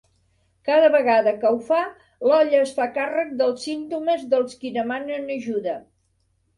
Cada vegada que ho fa, l'olla es fa càrrec dels símptomes dels qui demanen ajuda.